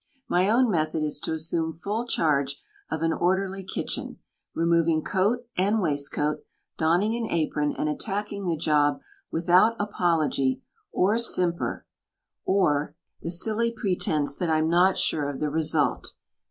My own method is to assume full charge of an orderly kitchen, removing coat and waistcoat, donning an apron and attacking the job without apology or simper or the THE STAG COOK BOOK silly pretense that I'm not sure of the result.